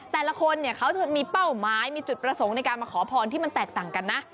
แต่ละคนเนี่ยเขาจะมีเป้าหมายมีจุดประสงค์ในการมาขอพรที่มันแตกต่างกันนะ